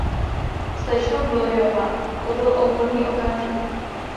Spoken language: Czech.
Slečno Gloryová, to byl ohromný okamžik.